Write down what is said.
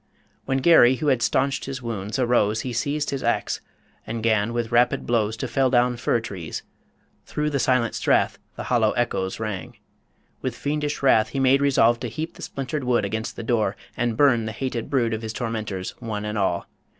_ When Garry, who had stanched his wounds, arose, He seized his axe, and 'gan with rapid blows To fell down fir trees. Through the silent strath The hollow echoes rang. With fiendish wrath He made resolve to heap the splintered wood Against the door, and burn the hated brood Of his tormentors one and all.